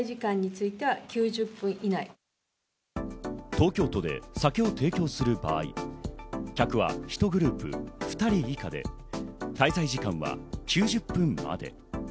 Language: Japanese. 東京都で酒を提供する場合、客は１グループ２人以下で滞在時間は９０分まで。